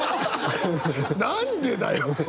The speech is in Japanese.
何でだよ！